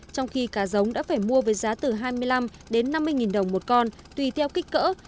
trong khi cá giống đã phải mua với giá từ hai mươi năm đến năm mươi nghìn đồng một con tùy theo kích cỡ